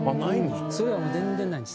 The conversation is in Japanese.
それは全然ないんです。